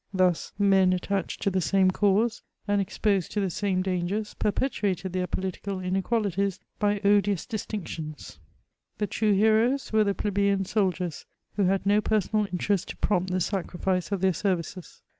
Thus, men attached to the same cause, and exposed to the same dangers, perpetuated their political inequalities by odious distinctions. The true heroes were the plebeian soldiers, who had no personal interest to prompt the sacriBce of their services.